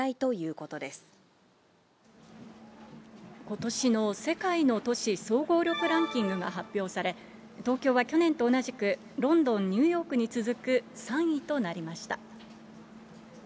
ことしの世界の都市総合力ランキングが発表され、東京は去年と同じく、ロンドン、ニューヨークに続く３位となりました。